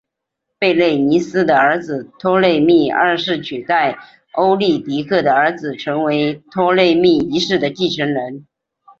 贝勒尼基的儿子托勒密二世取代欧律狄刻的儿子成为托勒密一世的继承人。